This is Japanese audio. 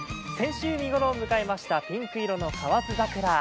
先週見頃を迎えましたピンク色の河津桜。